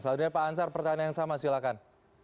selanjutnya pak ansar pertanyaan yang sama silakan